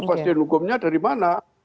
kepastian hukumnya dari mana